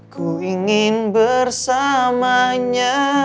ku ingin bersamanya